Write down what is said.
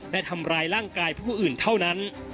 และทำร้ายร่างกายผู้อื่นเท่านั้น